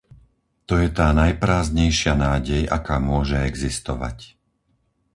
To je tá najprázdnejšia nádej, aká môže existovať.